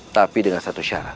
tapi dengan satu syarat